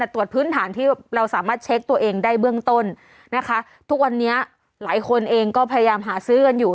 ตรวจพื้นฐานที่เราสามารถเช็คตัวเองได้เบื้องต้นนะคะทุกวันนี้หลายคนเองก็พยายามหาซื้อกันอยู่